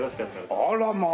あらまあ。